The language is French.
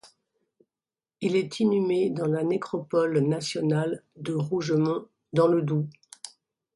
Il est inhumé dans la nécropole nationale de Rougement dans le Doubs.